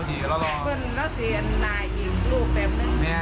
โอเกี่ยวกับ